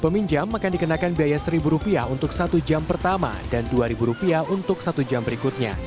peminjam akan dikenakan biaya rp satu untuk satu jam pertama dan rp dua untuk satu jam berikutnya